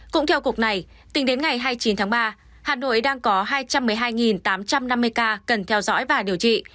cũng theo cục này tính đến ngày hai mươi chín tháng ba hà nội đang có hai trăm một mươi hai tám trăm năm mươi ca cần theo dõi và điều trị